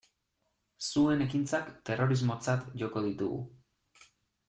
Zuen ekintzak terrorismotzat joko ditugu.